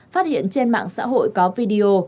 phát hiện trên mạng xã hội có video